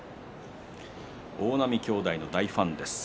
大波兄弟の大ファンです。